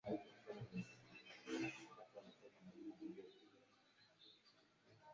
iliyoitwa laini Vibe ambayo ndio kampuni iliyowatoa wanamuziki kama Lady Jay Dee Ray